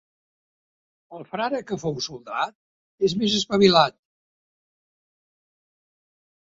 El frare que fou soldat és més espavilat.